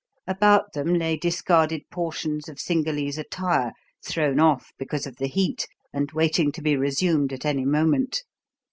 About them lay discarded portions of Cingalese attire, thrown off because of the heat, and waiting to be resumed at any moment.